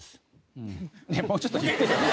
もうちょっと言ってよ。